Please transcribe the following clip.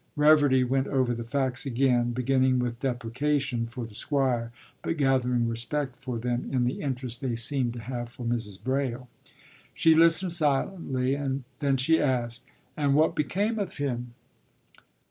” Reverdy went over the facts again, beginning with deprecation for the Squire but gathering respect for them in the interest they seemed to have for Mrs. Braile. She listened silently, and then she asked, “And what became of him?